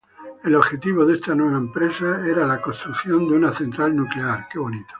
El objetivo de esta nueva empresa era la construcción de una central nuclear.